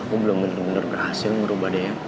aku belum bener bener berhasil ngerubah dian